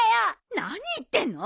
何言ってんの。